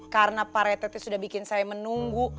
karena para etek sudah bikin saya menunggu